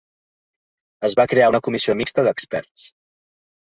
Es va crear una comissió mixta d’experts.